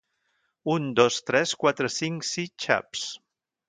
Un dos tres quatre cinc sis xaps.